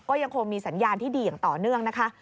ก็ยังคงมีสัญญาณที่ดีอย่างต่อเนื่องนะคะ